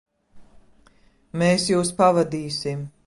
Mēs jūs pavadīsim.